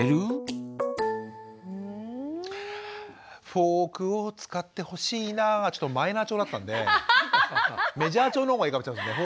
「フォークを使ってほしいな」がちょっとマイナー調だったんでメジャー調のほうがいいかもしませんね。